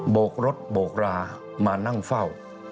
กรถโบกรามานั่งเฝ้า